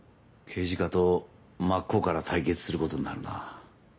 刑事課と真っ向から対決することになるな。